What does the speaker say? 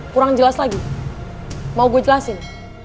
kurang jelas lagi mau gue jelasin